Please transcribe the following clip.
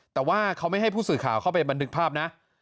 แต่ว่าเขาไม่ให้ผู้สื่อข่าวเข้าไปบันทึกภาพนะ